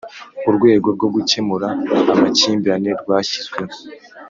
urwego rwo gukemura amakimbirane rwashyizweho